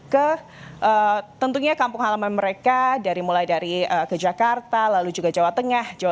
kemudian tiba tiba ada juga peluk peluk varian kami di daftar petang sesuai dengan diri kita